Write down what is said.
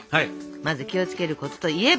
まず気を付けることといえばですよ。